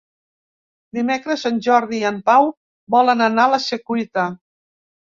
Dimecres en Jordi i en Pau volen anar a la Secuita.